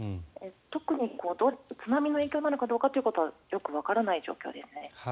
特に津波の影響なのかどうかはよくわからない状況ですね。